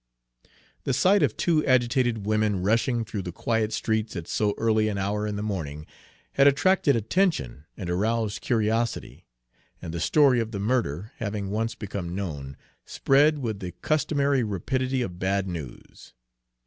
The sight of two agitated women rushing through the quiet streets at so early an hour in the morning had attracted attention and aroused curiosity, and the story of the murder, having once become known, spread with the customary rapidity of bad news.